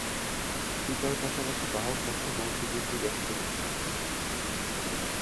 টিকার পাশাপাশি বাহক মশার বংশবৃদ্ধি ব্যাহত করতে হবে।